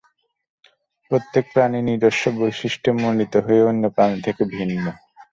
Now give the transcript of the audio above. প্রত্যেক প্রাণী নিজস্ব বৈশিষ্ট্যে মণ্ডিত হয়ে অন্য প্রাণী থেকে ভিন্ন।